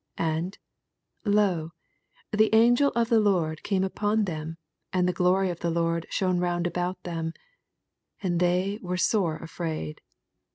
9 ^d, lo, the anffel of the Lord eame upon them, and the glory of the Liord shone ronnd about them : and they were sore afraid.